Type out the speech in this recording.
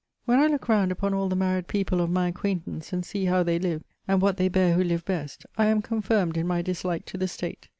When I look round upon all the married people of my acquaintance, and see how they live, and what they bear who live best, I am confirmed in my dislike to the state.